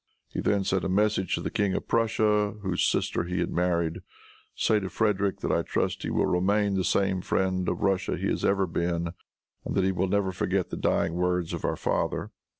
He then sent a message to the King of Prussia, whose sister he had married. "Say to Frederic that I trust he will remain the same friend of Russia he has ever been, and that he will never forget the dying words of our father."